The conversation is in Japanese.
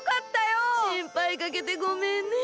しんぱいかけてごめんね。